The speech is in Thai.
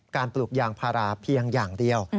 ปลูกยางพาราเพียงอย่างเดียว